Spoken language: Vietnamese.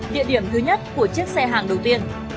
địa điểm thứ nhất của chiếc xe hàng đầu tiên